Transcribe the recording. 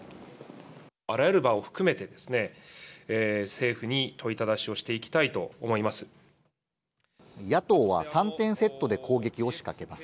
あらゆる場を含めてですね、政府に問いただしをしていきたいと思います。